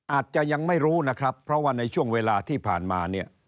อาจจะยังไม่รู้นะครับเพราะว่าในช่วงเวลาที่ผ่านมาเนี่ย